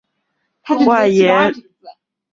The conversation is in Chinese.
而这个词语有不同的内涵和外延。